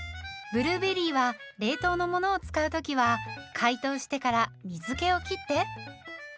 ブルーベリーは冷凍のものを使う時は解凍してから水けを切って。